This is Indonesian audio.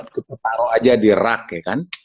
kita taruh aja di rak ya kan